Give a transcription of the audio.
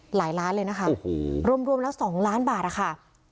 หลายล้านเลยนะคะโอ้โหรวมแล้ว๒ล้านบาทนะคะ